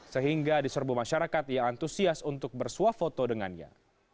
sehingga diserbu masyarakat yang antusias untuk bersuah foto dengannya